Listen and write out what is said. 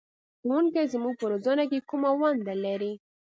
ښوونکی زموږ په روزنه کې کومه ونډه لري؟